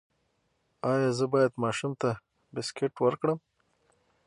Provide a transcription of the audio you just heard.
ایا زه باید ماشوم ته بسکټ ورکړم؟